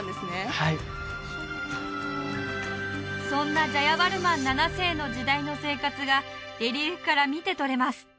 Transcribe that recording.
はいそんなジャヤヴァルマン７世の時代の生活がレリーフから見て取れます